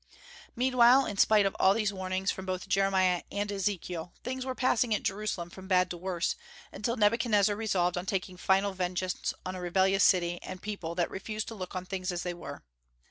Meanwhile, in spite of all these warnings from both Jeremiah and Ezekiel, things were passing at Jerusalem from bad to worse, until Nebuchadnezzar resolved on taking final vengeance on a rebellious city and people that refused to look on things as they were.